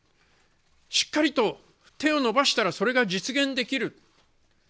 しっかりと手を伸ばしたらそれが実現できる。